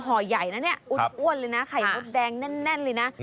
ห่อใหญ่นะเนี่ยอ้วนเลยนะไข่มดแดงแน่นเลยนะ